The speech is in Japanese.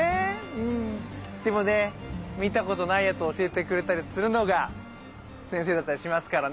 うんでもね見たことないやつ教えてくれたりするのが先生だったりしますからね。